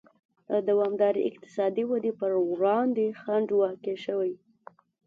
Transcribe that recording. د دوامدارې اقتصادي ودې پر وړاندې خنډ واقع شوی.